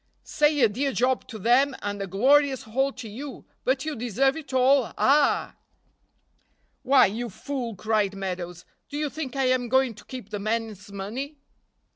"Say a dear job to them and a glorious haul to you; but you deserve it all, ah!" "Why, you fool," cried Meadows, "do you think I am going to keep the men's money?"